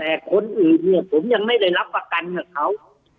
แต่คนอื่นเนี่ยผมยังไม่ได้รับประกันกับเขา